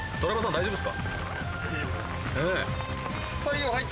大丈夫です。